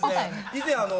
以前あの。